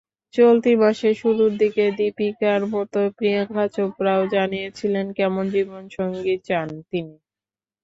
চলতি মাসের শুরুর দিকে দীপিকার মতো প্রিয়াংকা চোপড়াও জানিয়েছিলেন কেমন জীবনসঙ্গী চান তিনি।